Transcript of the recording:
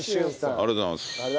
ありがとうございます。